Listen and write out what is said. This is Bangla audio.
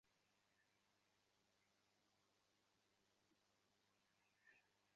এবং আমার দৃঢ় বিশ্বাস বকুল গাছ প্রসঙ্গে তার কোনো একটি পীড়াদায়ক স্মৃতি আছে।